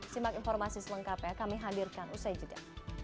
simak informasi selengkapnya kami hadirkan usai jeda